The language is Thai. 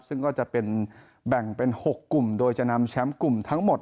ซึ่งก็จะเป็นแบ่งเป็น๖กลุ่มโดยจะนำแชมป์กลุ่มทั้งหมด